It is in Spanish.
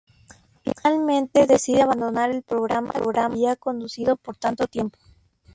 Finalmente decide abandonar el programa que había conducido por tanto tiempo.